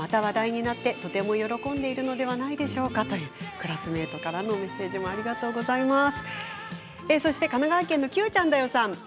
クラスメートからのメッセージもありがとうございました。